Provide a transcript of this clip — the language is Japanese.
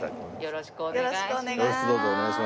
よろしくお願いします。